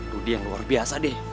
rudy yang luar biasa deh